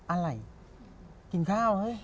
อะไรกินข้าว